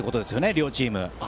両チーム。